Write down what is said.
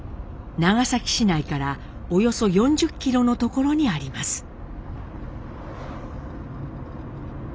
長崎市内からおよそ４０キロのところにあります。